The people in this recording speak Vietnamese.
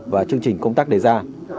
và chương trình công tác đề ra